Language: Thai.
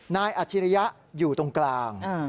นายอาชิริยะอยู่ตรงกลาง